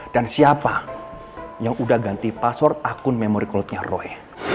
dan siapa yang udah ganti password akun memory cloudnya roy